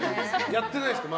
やってないですか？